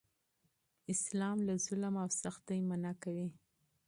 اسلام له ظلم او سختۍ منع کوي.